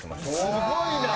すごいな！